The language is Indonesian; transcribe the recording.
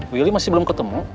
willy masih belum ketemu